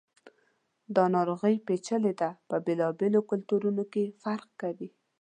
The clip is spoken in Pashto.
دا ناروغي پیچلي ده، په بېلابېلو کلتورونو کې فرق کوي.